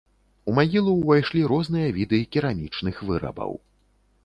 У магілу ўвайшлі розныя віды керамічных вырабаў.